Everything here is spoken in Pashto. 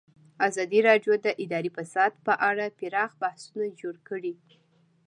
ازادي راډیو د اداري فساد په اړه پراخ بحثونه جوړ کړي.